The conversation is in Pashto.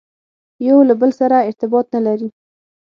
یو له بل سره ارتباط نه لري.